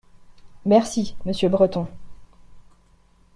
Merci, monsieur Breton.